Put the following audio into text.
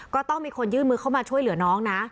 ก็ต้องมีคนยื่นมือเข้ามาช่วยเหลือน้องนะ